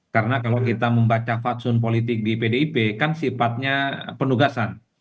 karena kalau kita membaca fatsun politik di pdip kan sifatnya penugasan